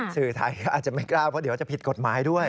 สื่อไทยก็อาจจะไม่กล้าเพราะเดี๋ยวจะผิดกฎหมายด้วย